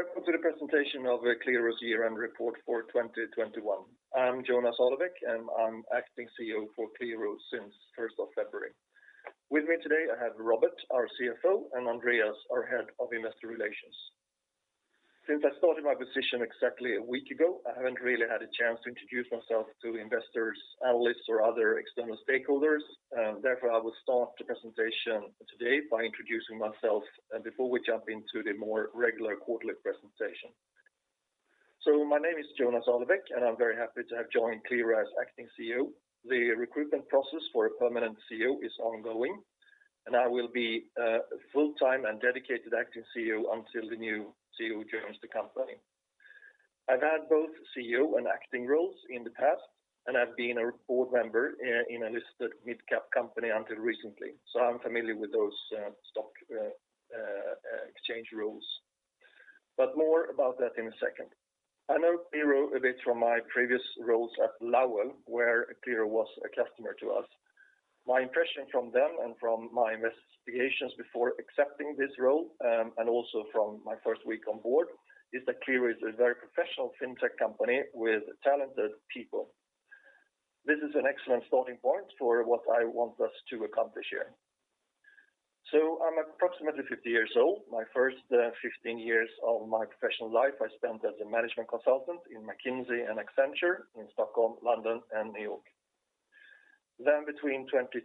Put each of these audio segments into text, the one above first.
Welcome to the presentation of Qliro's year-end report for 2021. I'm Jonas Arlebäck, and I'm acting CEO for Qliro since first of February. With me today, I have Robert, our CFO, and Andreas, our head of investor relations. Since I started my position exactly a week ago, I haven't really had a chance to introduce myself to investors, analysts, or other external stakeholders. Therefore, I will start the presentation today by introducing myself and before we jump into the more regular quarterly presentation. My name is Jonas Arlebäck and I'm very happy to have joined Qliro as acting CEO. The recruitment process for a permanent CEO is ongoing, and I will be full-time and dedicated acting CEO until the new CEO joins the company. I've had both CEO and acting roles in the past, and I've been a board member in a listed mid-cap company until recently, so I'm familiar with those stock exchange rules. More about that in a second. I know Qliro a bit from my previous roles at Lowell, where Qliro was a customer to us. My impression from them and from my investigations before accepting this role, and also from my first week on board, is that Qliro is a very professional fintech company with talented people. This is an excellent starting point for what I want us to accomplish here. I'm approximately 50 years old. My first 15 years of my professional life I spent as a management consultant in McKinsey and Accenture in Stockholm, London and New York. Between 2012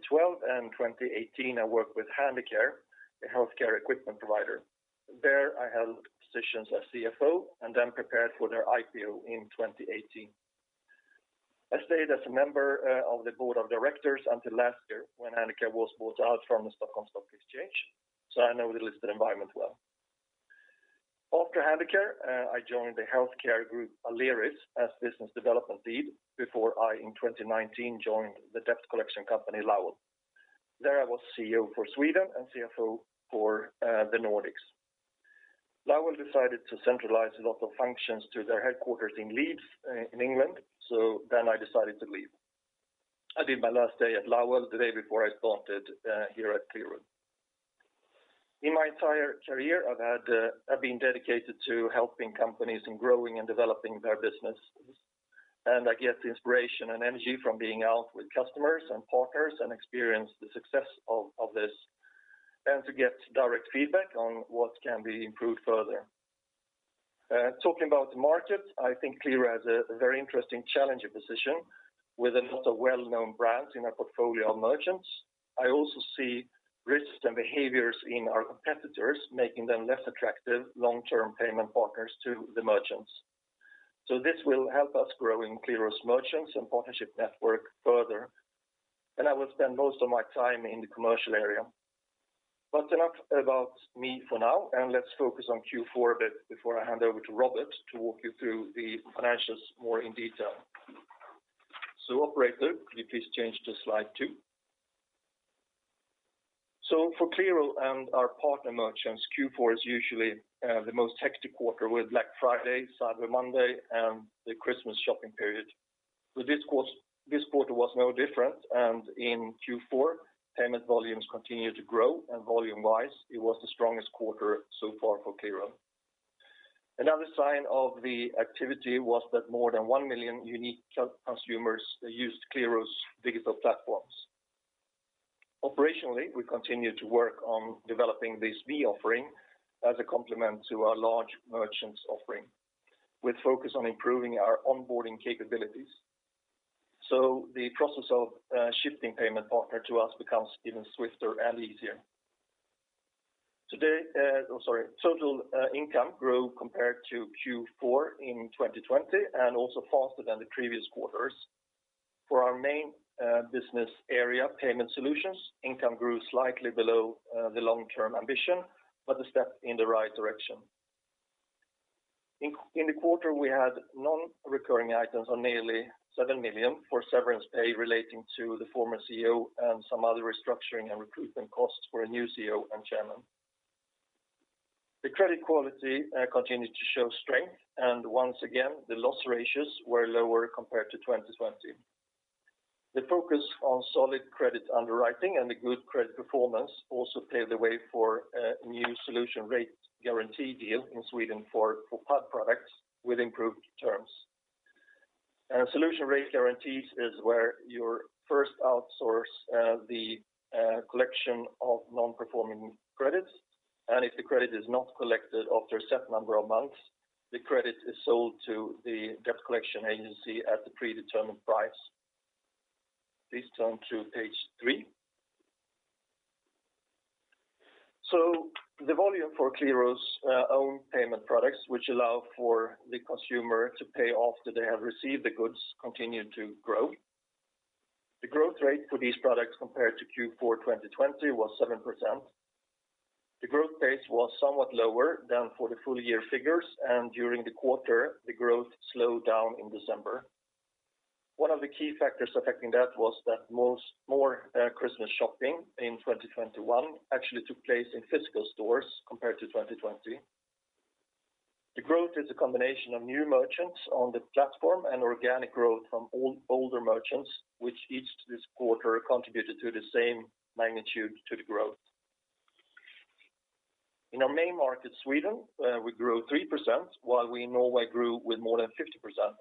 and 2018, I worked with Handicare, a healthcare equipment provider. There, I held positions as CFO and then prepared for their IPO in 2018. I stayed as a member of the board of directors until last year when Handicare was bought out from the Stockholm Stock Exchange, so I know the listed environment well. After Handicare, I joined the healthcare group Aleris as business development lead before I, in 2019, joined the debt collection company Lowell. There, I was CEO for Sweden and CFO for the Nordics. Lowell decided to centralize a lot of functions to their headquarters in Leeds in England, so then I decided to leave. I did my last day at Lowell the day before I started here at Qliro. In my entire career, I've been dedicated to helping companies in growing and developing their businesses. I get inspiration and energy from being out with customers and partners and experience the success of this and to get direct feedback on what can be improved further. Talking about the market, I think Qliro has a very interesting challenging position with a lot of well-known brands in our portfolio of merchants. I also see risks and behaviors in our competitors making them less attractive long-term payment partners to the merchants. This will help us grow in Qliro's merchants and partnership network further and I will spend most of my time in the commercial area. Enough about me for now, and let's focus on Q4 a bit before I hand over to Robert to walk you through the financials more in detail. Operator, could you please change to slide two? For Qliro and our partner merchants, Q4 is usually the most hectic quarter with Black Friday, Cyber Monday, and the Christmas shopping period. This quarter was no different, and in Q4, payment volumes continued to grow and volume-wise, it was the strongest quarter so far for Qliro. Another sign of the activity was that more than 1 million unique consumers used Qliro's digital platforms. Operationally, we continued to work on developing the SME offering as a complement to our large merchants offering, with focus on improving our onboarding capabilities, so the process of shifting payment partner to us becomes even swifter and easier. Total income grew compared to Q4 in 2020 and also faster than the previous quarters. For our main business area, Payment Solutions, income grew slightly below the long-term ambition, but a step in the right direction. In the quarter, we had non-recurring items on nearly 7 million for severance pay relating to the former CEO and some other restructuring and recruitment costs for a new CEO and Chairman. The credit quality continued to show strength and once again, the loss ratios were lower compared to 2020. The focus on solid credit underwriting and the good credit performance also paved the way for a new Solution Rate Guarantee deal in Sweden for PAD products with improved terms. Solution Rate Guarantees is where you first outsource the collection of non-performing credits, and if the credit is not collected after a set number of months, the credit is sold to the debt collection agency at the predetermined price. Please turn to page three. The volume for Qliro's own payment products, which allow for the consumer to pay after they have received the goods, continued to grow. The growth rate for these products compared to Q4 2020 was 7%. The growth pace was somewhat lower than for the full year figures, and during the quarter, the growth slowed down in December. One of the key factors affecting that was that more Christmas shopping in 2021 actually took place in physical stores compared to 2020. The growth is a combination of new merchants on the platform and organic growth from older merchants, which each this quarter contributed to the same magnitude to the growth. In our main market, Sweden, we grew 3%, while we in Norway grew with more than 50%.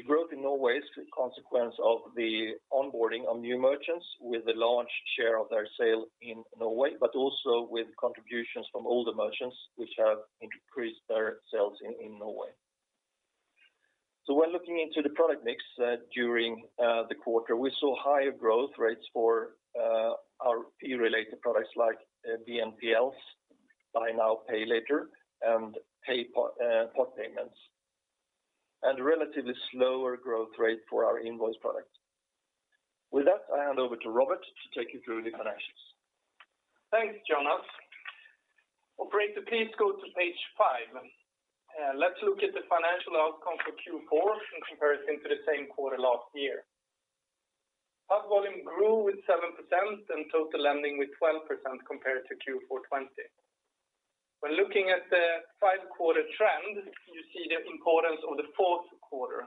The growth in Norway is a consequence of the onboarding of new merchants with a large share of their sales in Norway, but also with contributions from all the merchants which have increased their sales in Norway. When looking into the product mix, during the quarter, we saw higher growth rates for our key related products like BNPL, Buy Now, Pay Later, and Part Payments, and relatively slower growth rate for our invoice product. With that, I hand over to Robert to take you through the financials. Thanks, Jonas. Operator, please go to page five. Let's look at the financial outcome for Q4 in comparison to the same quarter last year. Hub volume grew with 7% and total lending with 12% compared to Q4 2020. When looking at the five-quarter trend, you see the importance of the fourth quarter.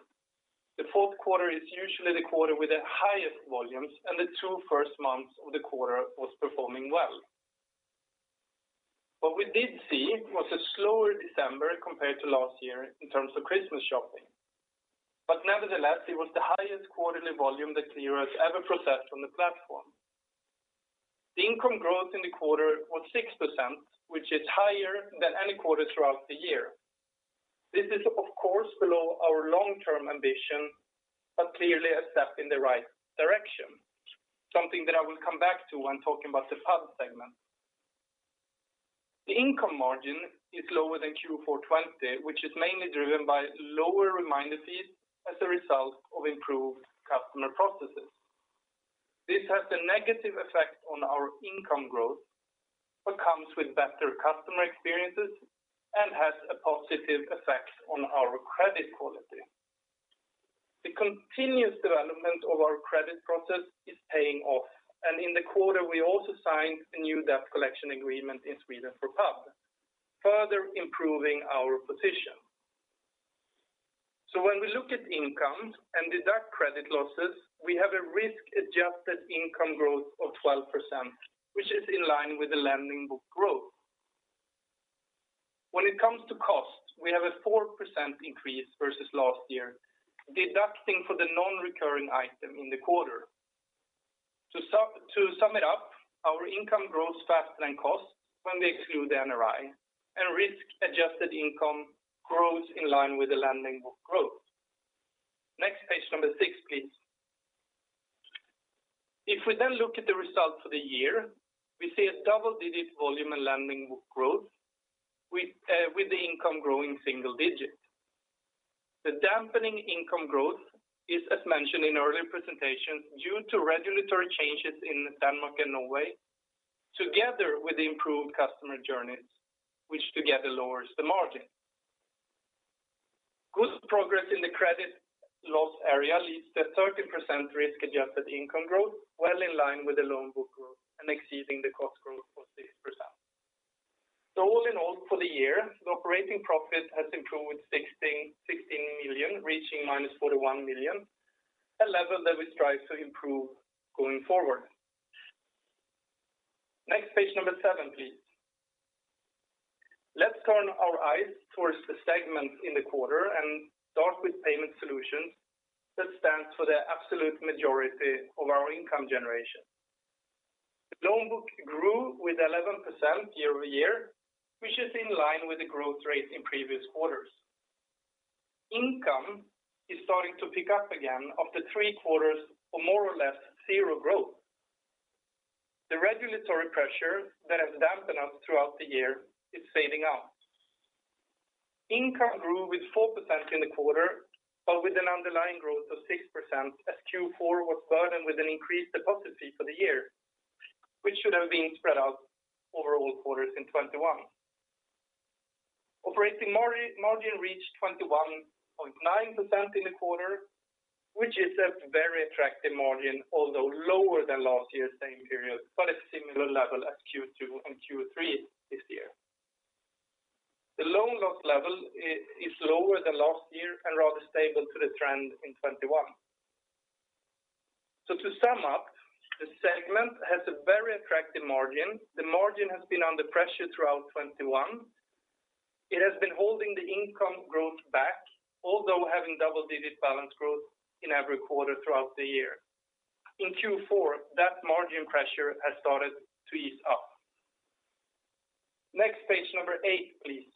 The fourth quarter is usually the quarter with the highest volumes, and the two first months of the quarter was performing well. What we did see was a slower December compared to last year in terms of Christmas shopping. Nevertheless, it was the highest quarterly volume that Qliro has ever processed on the platform. The income growth in the quarter was 6%, which is higher than any quarter throughout the year. This is, of course, below our long-term ambition, but clearly a step in the right direction. Something that I will come back to when talking about the PSP segment. The income margin is lower than Q4 2020, which is mainly driven by lower reminder fees as a result of improved customer processes. This has a negative effect on our income growth, but comes with better customer experiences and has a positive effect on our credit quality. The continuous development of our credit process is paying off, and in the quarter, we also signed a new debt collection agreement in Sweden for PSP, further improving our position. When we look at income and deduct credit losses, we have a risk-adjusted income growth of 12%, which is in line with the lending book growth. When it comes to cost, we have a 4% increase versus last year, deducting for the non-recurring item in the quarter. To sum it up, our income grows faster than costs when we exclude the NRI, and risk-adjusted income grows in line with the lending book growth. Next, page number six, please. If we then look at the results for the year, we see a double-digit volume and lending book growth with the income growing single digit. The dampening income growth is, as mentioned in earlier presentations, due to regulatory changes in Denmark and Norway, together with the improved customer journeys, which together lowers the margin. Good progress in the credit loss area leads to 13% risk-adjusted income growth, well in line with the loan book growth and exceeding the cost growth of 6%. All in all, for the year, the operating profit has improved 16 million, reaching -41 million, a level that we strive to improve going forward. Next, page number seven, please. Let's turn our eyes towards the segments in the quarter and start with Payment Solutions that stands for the absolute majority of our income generation. The loan book grew with 11% year-over-year, which is in line with the growth rate in previous quarters. Income is starting to pick up again after three quarters of more or less zero growth. The regulatory pressure that has dampened us throughout the year is fading out. Income grew with 4% in the quarter, but with an underlying growth of 6% as Q4 was burdened with an increased deposit fee for the year, which should have been spread out over all quarters in 2021. Operating margin reached 21.9% in the quarter, which is a very attractive margin, although lower than last year's same period, but a similar level as Q2 and Q3 this year. The loan loss level is lower than last year and rather stable to the trend in 2021. To sum up, the segment has a very attractive margin. The margin has been under pressure throughout 2021. It has been holding the income growth back, although having double-digit balance growth in every quarter throughout the year. In Q4, that margin pressure has started to ease up. Next page, number eight, please.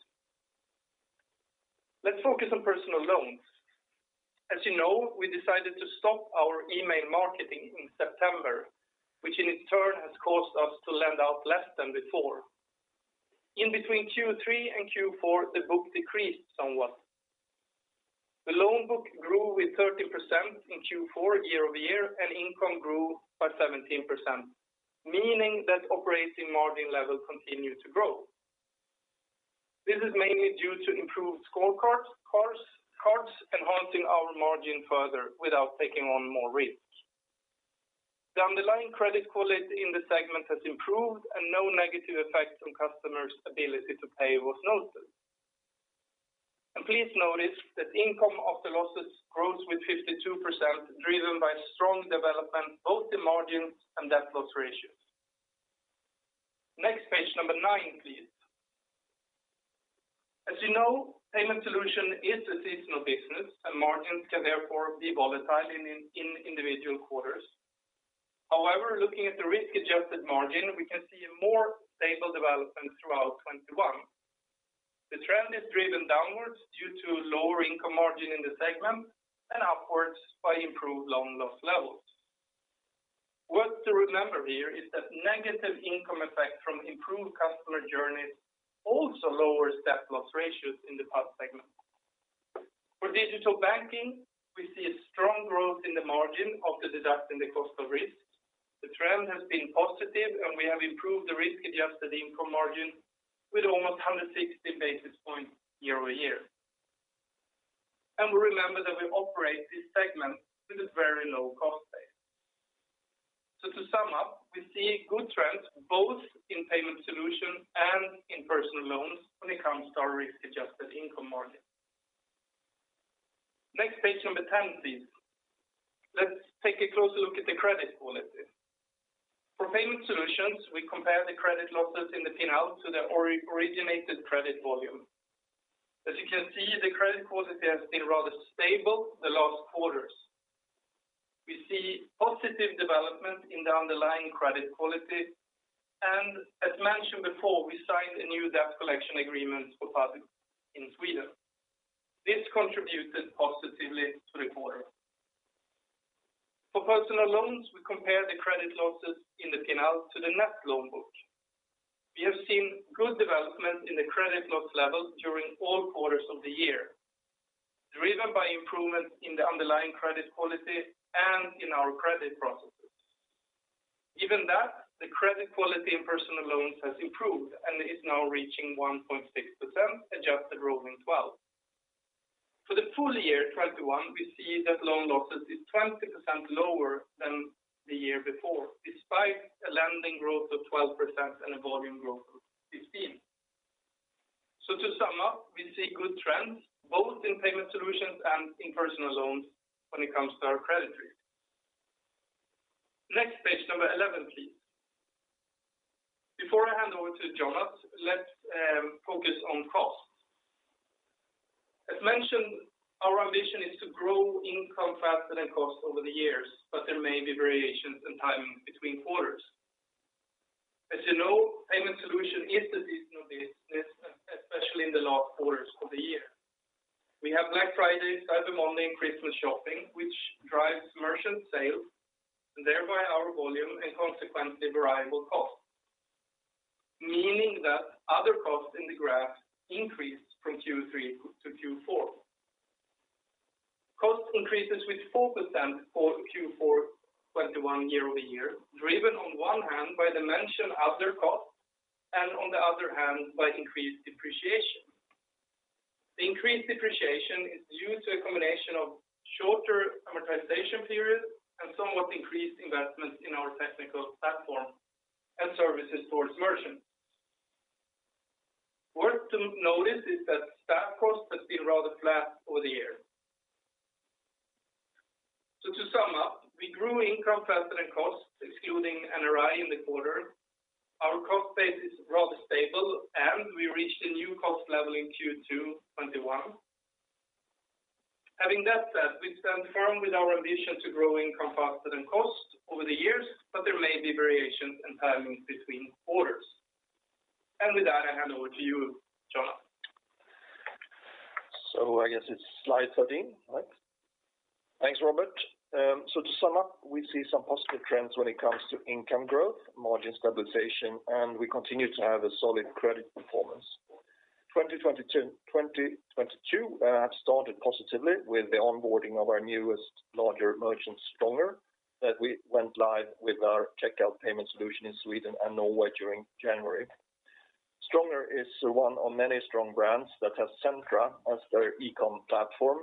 Let's focus on personal loans. As you know, we decided to stop our email marketing in September, which in its turn has caused us to lend out less than before. In between Q3 and Q4, the book decreased somewhat. The loan book grew with 13% in Q4 year-over-year and income grew by 17%, meaning that operating margin level continued to grow. This is mainly due to improved scorecards, cards, enhancing our margin further without taking on more risk. The underlying credit quality in the segment has improved and no negative effects on customers' ability to pay was noted. Please notice that income after losses grows with 52% driven by strong development, both the margins and loan loss ratios. Next, page number 9, please. As you know, Payment Solutions is a seasonal business and margins can therefore be volatile in individual quarters. However, looking at the risk-adjusted margin, we can see a more stable development throughout 2021. The trend is driven downwards due to lower income margin in the segment and upwards by improved loan loss levels. What to remember here is that negative income effect from improved customer journeys also lowers debt loss ratios in the payment segment. For Digital Banking, we see a strong growth in the margin after deducting the cost of risk. The trend has been positive, and we have improved the risk-adjusted income margin with almost 160 basis points year-over-year. We remember that we operate this segment with a very low cost base. To sum up, we see good trends both in payment solution and in personal loans when it comes to our risk-adjusted income margin. Next page number 10, please. Let's take a closer look at the credit quality. For Payment Solutions, we compare the credit losses in the P&L to the originated credit volume. As you can see, the credit quality has been rather stable the last quarters. We see positive development in the underlying credit quality, and as mentioned before, we signed a new debt collection agreement for BNPL in Sweden. This contributed positively to the quarter. For personal loans, we compare the credit losses in the P&L to the net loan book. We have seen good development in the credit loss level during all quarters of the year, driven by improvements in the underlying credit quality and in our credit processes. Given that, the credit quality in personal loans has improved and is now reaching 1.6% adjusted rolling twelve. For the full year 2021, we see that loan losses is 20% lower than the year before, despite a lending growth of 12% and a volume growth of 15%. To sum up, we see good trends both in payment solutions and in personal loans when it comes to our credit risk. Next page number 11, please. Before I hand over to Jonas, let's focus on costs. As mentioned, our ambition is to grow income faster than costs over the years, but there may be variations in timing between quarters. As you know, Payment Solutions is a seasonal business, especially in the last quarters of the year. We have Black Friday, Cyber Monday, and Christmas shopping, which drives merchant sales and thereby our volume and consequently variable costs, meaning that other costs in the graph increased from Q3 to Q4. Costs increased 4% for Q4 2021 year-over-year, driven on one hand by variable costs and on the other hand by increased depreciation. The increased depreciation is due to a combination of shorter amortization periods and somewhat increased investments in our technical platform and services towards merchants. Worth to notice is that staff costs have been rather flat over the years. To sum up, we grew income faster than costs, excluding NRI in the quarter. Our cost base is rather stable, and we reached a new cost level in Q2 2021. Having that said, we stand firm with our ambition to grow income faster than cost over the years, but there may be variations in timing between quarters. With that, I hand over to you, Jonas. I guess it's slide 13, right? Thanks, Robert. To sum up, we see some positive trends when it comes to income growth, margin stabilization, and we continue to have a solid credit performance. 2020 to 2022 started positively with the onboarding of our newest larger merchant, Stronger, that we went live with our checkout payment solution in Sweden and Norway during January. Stronger is one of many strong brands that has Centra as their e-commerce platform.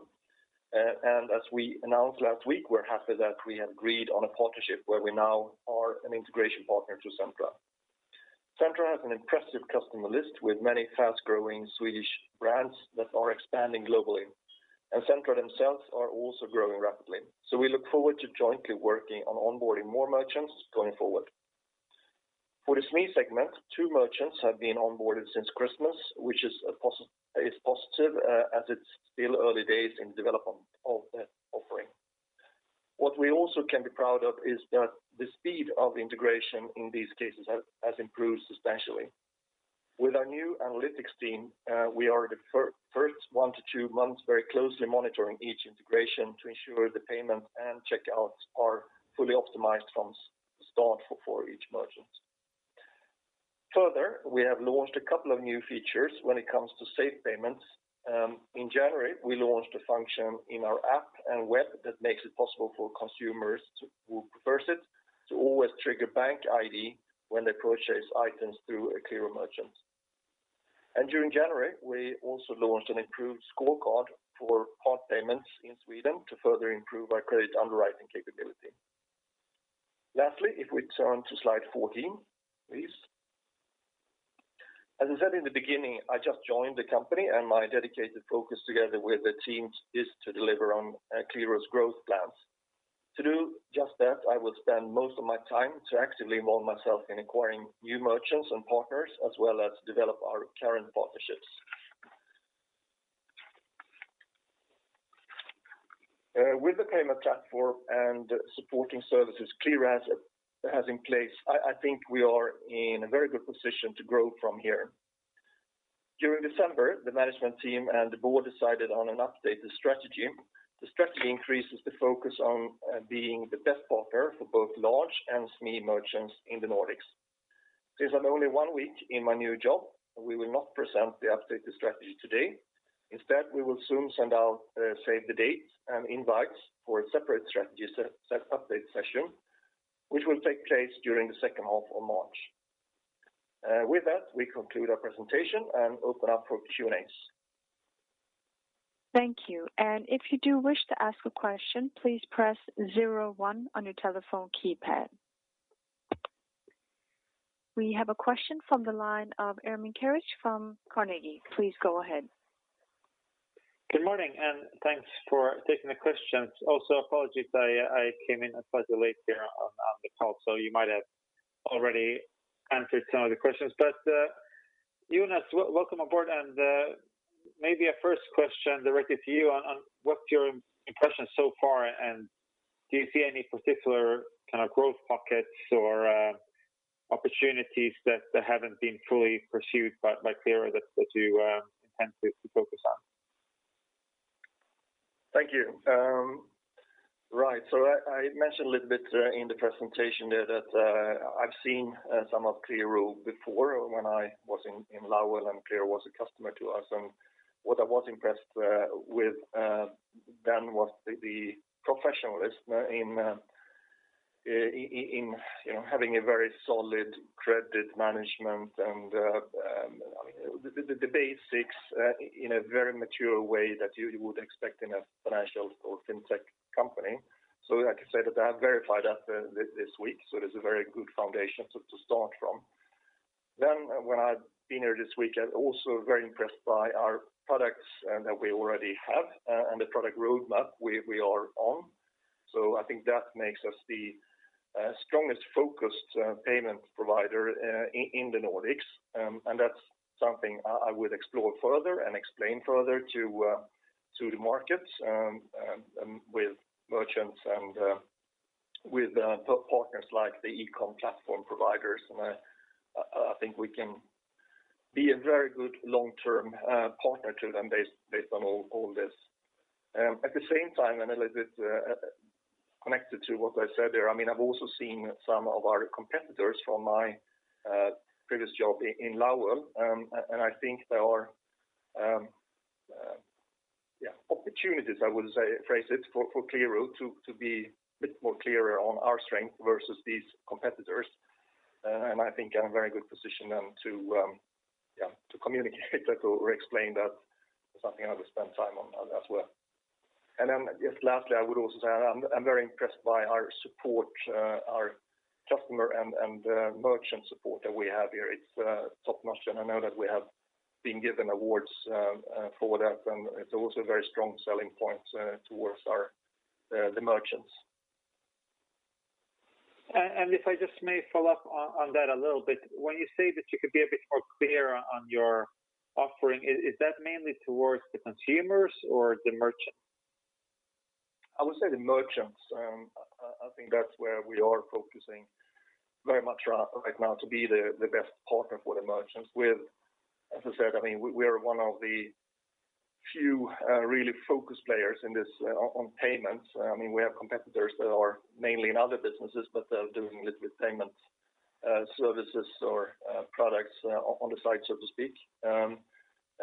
As we announced last week, we're happy that we have agreed on a partnership where we now are an integration partner to Centra. Centra has an impressive customer list with many fast-growing Swedish brands that are expanding globally. Centra themselves are also growing rapidly. We look forward to jointly working on onboarding more merchants going forward. For the SME segment, two merchants have been onboarded since Christmas, which is a positive, as it's still early days in the development of the offering. What we also can be proud of is that the speed of integration in these cases has improved substantially. With our new analytics team, we are the first one to two months very closely monitoring each integration to ensure the payment and checkouts are fully optimized from start for each merchant. Further, we have launched a couple of new features when it comes to safe payments. In January, we launched a function in our app and web that makes it possible for consumers to who prefers it, to always trigger BankID when they purchase items through a [Klarna] merchant. During January, we also launched an improved scorecard for Part Payments in Sweden to further improve our credit underwriting capability. Lastly, if we turn to slide 14, please. As I said in the beginning, I just joined the company and my dedicated focus together with the teams is to deliver on Qliro's growth plans. To do just that, I will spend most of my time to actively involve myself in acquiring new merchants and partners, as well as develop our current partnerships. With the payment platform and supporting services Qliro has in place, I think we are in a very good position to grow from here. During December, the management team and the board decided on an updated strategy. The strategy increases the focus on being the best partner for both large and SME merchants in the Nordics. Since I'm only one week in my new job, we will not present the updated strategy today. Instead, we will soon send out save the dates and invites for a separate strategy update session, which will take place during the second half of March. With that, we conclude our presentation and open up for Q&As. Thank you. If you do wish to ask a question, please press zero one on your telephone keypad. We have a question from the line of [Ermin Karic] from Carnegie. Please go ahead. Good morning, thanks for taking the questions. Also, apologies I came in slightly late here on the call, so you might have already answered some of the questions. Jonas, welcome aboard, maybe a first question directly to you on what's your impression so far? Do you see any particular kind of growth pockets or opportunities that haven't been fully pursued by Qliro that you intend to focus on? Thank you. I mentioned a little bit in the presentation there that I've seen some of Qliro before when I was in Lowell and Qliro was a customer to us. What I was impressed with then was the professionalism in, you know, having a very solid credit management and the basics in a very mature way that you would expect in a financial or fintech company. Like I said, I have verified that this week, so it is a very good foundation to start from. When I've been here this week, I'm also very impressed by our products that we already have and the product roadmap we are on. I think that makes us the strongest focused payment provider in the Nordics. That's something I would explore further and explain further to the markets with merchants and with partners like the e-com platform providers. I think we can be a very good long-term partner to them based on all this. At the same time, a little bit connected to what I said there, I mean, I've also seen some of our competitors from my previous job in Lowell. I think there are opportunities, I would say, phrase it, for Qliro to be a bit more clearer on our strength versus these competitors. I think I'm in a very good position to communicate that or explain that. Something I will spend time on as well. Just lastly, I would also say I'm very impressed by our support, our customer and merchant support that we have here. It's top-notch, and I know that we have been given awards for that, and it's also a very strong selling point towards our the merchants. If I just may follow up on that a little bit. When you say that you could be a bit more clear on your offering, is that mainly towards the consumers or the merchants? I would say the merchants. I think that's where we are focusing very much right now to be the best partner for the merchants. As I said, I mean, we are one of the few really focused players in this on payments. I mean, we have competitors that are mainly in other businesses, but they're doing a little bit payment services or products on the side, so to speak.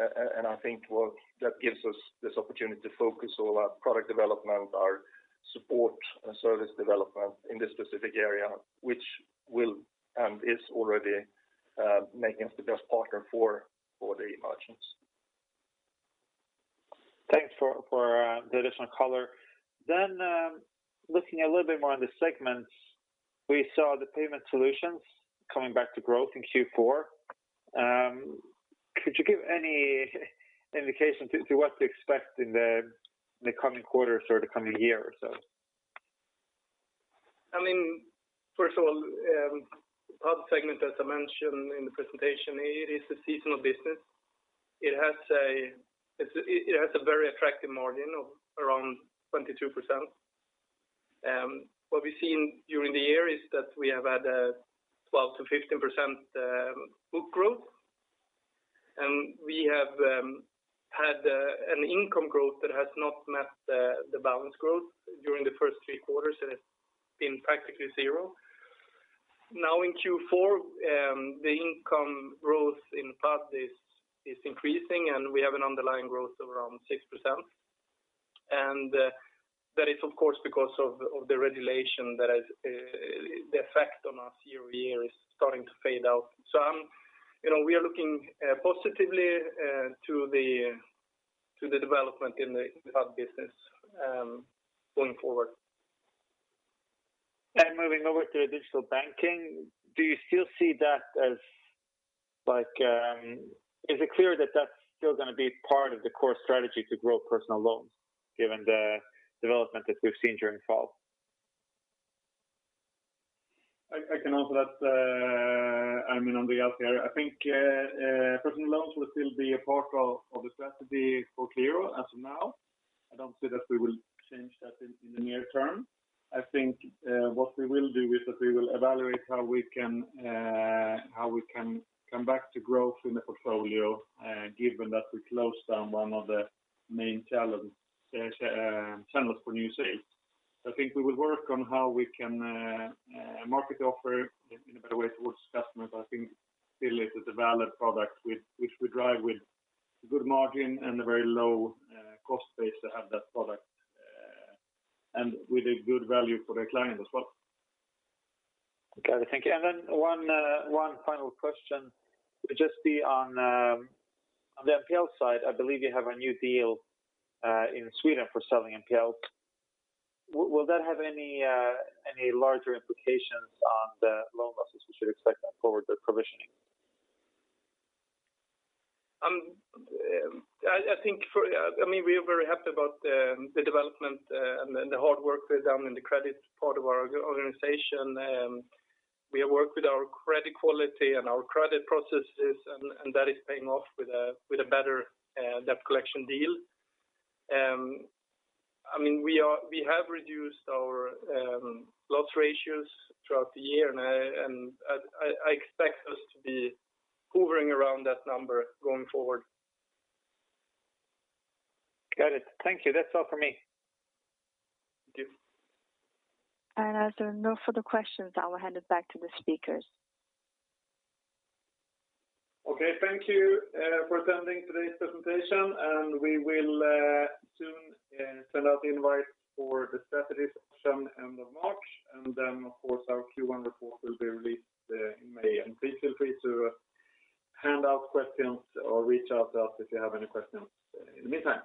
I think what that gives us this opportunity to focus all our product development, our support and service development in this specific area, which will and is already making us the best partner for the merchants. Thanks for the additional color. Looking a little bit more on the segments, we saw the Payment Solutions coming back to growth in Q4. Could you give any indication to what to expect in the coming quarters or the coming year or so? I mean, first of all, BNPL segment, as I mentioned in the presentation, it is a seasonal business. It has a very attractive margin of around 22%. What we've seen during the year is that we have had a 12%-15% book growth. We have had an income growth that has not met the balance growth during the first three quarters, and it's been practically zero. Now in Q4, the income growth in BNPL is increasing, and we have an underlying growth of around 6%. That is of course because of the regulation that has the effect on us year-over-year is starting to fade out. You know, we are looking positively to the development in the payment business, going forward. Moving over to Digital Banking, do you still see that as like, is it clear that that's still gonna be part of the core strategy to grow personal loans given the development that we've seen during fall? I can answer that, I mean, on the outset, I think personal loans will still be a part of the strategy for Qliro as of now. I don't see that we will change that in the near term. I think what we will do is that we will evaluate how we can come back to growth in the portfolio, given that we closed down one of the main channels for new sales. I think we will work on how we can market offer in a better way towards customers. I think still it is a valid product which we drive with good margin and a very low cost base to have that product, and with a good value for the client as well. Okay. Thank you. One final question would just be on the NPL side. I believe you have a new deal in Sweden for selling NPL. Will that have any larger implications on the loan losses we should expect going forward with provisioning? I think, I mean, we are very happy about the development and the hard work we've done in the credit part of our organization. We have worked with our credit quality and our credit processes and that is paying off with a better debt collection deal. I mean, we have reduced our loss ratios throughout the year, and I expect us to be hovering around that number going forward. Got it. Thank you. That's all for me. Thank you. As there are no further questions, I will hand it back to the speakers. Okay. Thank you for attending today's presentation, and we will soon send out the invite for the strategies session end of March. Then, of course, our Q1 report will be released in May. Please feel free to hand out questions or reach out to us if you have any questions in the meantime.